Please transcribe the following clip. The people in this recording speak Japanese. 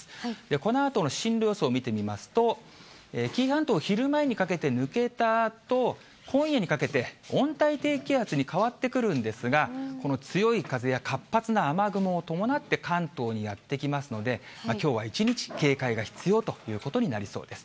このあとの進路予想見てみますと、紀伊半島、昼前にかけて抜けたあと、今夜にかけて、温帯低気圧に変わってくるんですが、この強い風や活発な雨雲を伴って関東にやって来ますので、きょうは一日警戒が必要ということになりそうです。